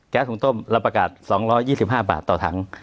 แก๊สถุงต้มรับประกาศ๒๒๕บาทต่อถัง